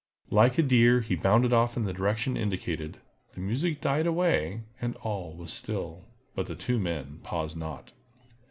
Like a deer he bounded off in the direction indicated. The music died away and all was still. But the two men paused not.